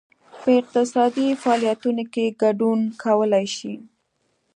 په اقتصادي فعالیتونو کې ګډون کولای شي.